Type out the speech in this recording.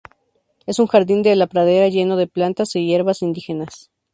Es un jardín de la pradera lleno de plantas e hierbas indígenas.